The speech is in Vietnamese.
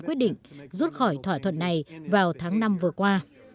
quyết định rút khỏi thỏa thuận này vào tháng năm vừa qua